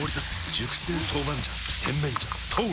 熟成豆板醤甜麺醤豆！